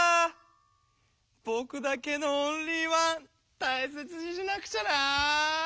ぼくだけのオンリーワンたいせつにしなくちゃな。